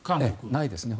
ないですね。